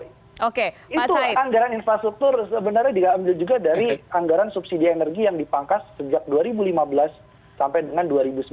itu anggaran infrastruktur sebenarnya diambil juga dari anggaran subsidi energi yang dipangkas sejak dua ribu lima belas sampai dengan dua ribu sembilan belas